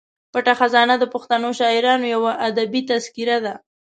پټه خزانه د پښتنو شاعرانو یوه ادبي تذکره ده.